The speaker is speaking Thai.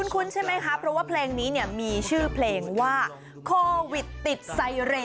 คุ้นซะไหมคะมีชื่อเพลงว่าโควิดติดสายเรน